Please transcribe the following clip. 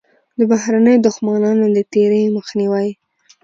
د بهرنیو دښمنانو له تېري مخنیوی.